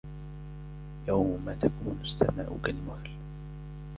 يوم تكون السماء كالمهل